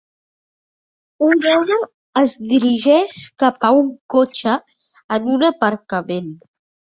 Un home es dirigeix cap a un cotxe en un aparcament.